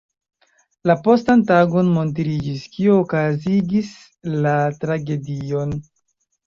La postan tagon montriĝis, kio okazigis la tragedion.